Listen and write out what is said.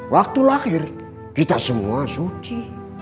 waktu lahir kita semua suci